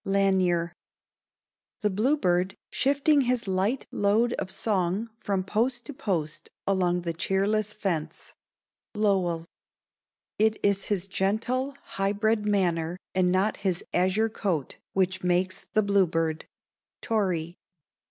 Lanier. The bluebird, shifting his light load of song From post to post along the cheerless fence. Lowell. It is his gentle, high bred manner and not his azure coat which makes the bluebird. _Torrey.